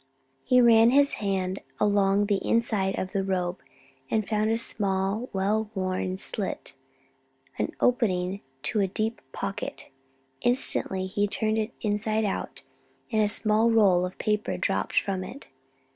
He ran his hand along the inside of the robe, and found a small, well worn slit an opening to a deep pocket. Instantly he turned it inside out, and a small roll of paper dropped from it.